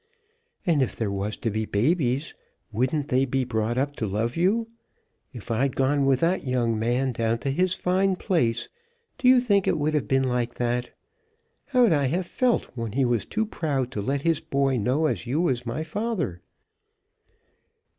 And if there was to be babies, wouldn't they be brought up to love you. If I'd gone with that young man down to his fine place, do you think it would have been like that? How 'd I've felt when he was too proud to let his boy know as you was my father?"